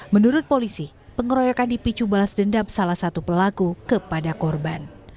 menurut polisi pengeroyokan dipicu balas dendam salah satu pelaku kepada korban